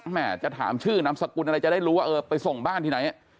แม่จะถามชื่อนามสกุลอะไรจะได้รู้ว่าเออไปส่งบ้านที่ไหน